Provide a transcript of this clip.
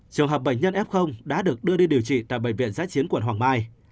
trường hợp bệnh nhân f đã được đưa đi điều trị tại bệnh viện giã chiến quận hoàng mai